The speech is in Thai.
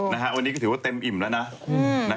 วันนี้ก็ถือว่าเต็มอิ่มแล้วนะ